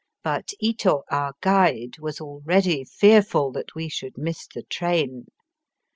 But Ito, our guide, was already fearful that we should miss the train.